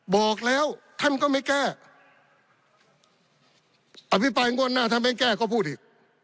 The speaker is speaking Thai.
บอกแล้วท่านก็ไม่แก้อภิปรายงวดหน้าถ้าไม่แก้ก็พูดอีก